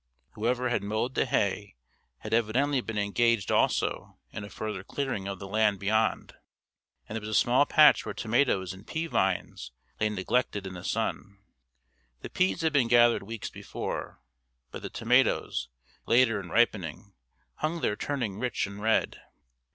Whoever had mowed the hay had evidently been engaged also in a further clearing of the land beyond, and there was a small patch where tomatoes and pea vines lay neglected in the sun; the peas had been gathered weeks before, but the tomatoes, later in ripening, hung there turning rich and red.